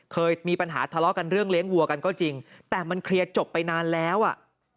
เคยมีปัญหาทะเลาะกันเรื่องเลี้ยงวัวกันก็จริงแต่มันเคลียร์จบไปนานแล้วอ่ะ